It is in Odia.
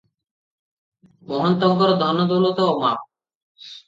ମହନ୍ତଙ୍କର ଧନ ଦୌଲତ ଅମାପ ।